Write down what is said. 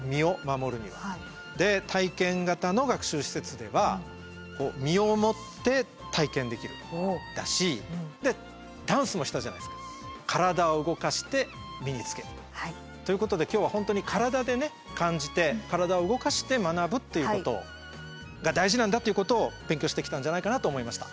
体験型の学習施設ではダンスもしたじゃないですか。ということで今日は本当に体でね感じて体を動かして学ぶっていうことが大事なんだっていうことを勉強してきたんじゃないかなと思いました。